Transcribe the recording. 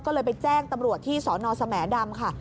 ก็เลยไปแจ้งตำรวจที่สนสแหมดำค่ะ